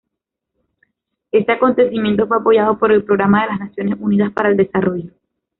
Este acontecimiento fue apoyado por el Programa de las Naciones Unidas para el Desarrollo.